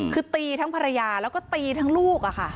คือตีทั้งภรรยาแล้วก็ตีทั้งลูก